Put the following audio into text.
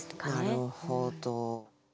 なるほど。